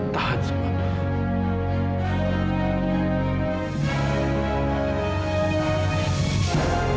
tuhan tuhan tahan tuhan